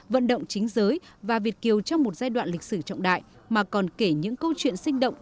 vận động chính giới và việt kiều trong một giai đoạn lịch sử trọng đại mà còn kể những câu chuyện sinh động